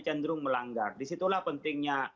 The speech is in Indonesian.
cenderung melanggar disitulah pentingnya